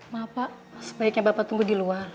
maaf pak sebaiknya bapak tunggu di luar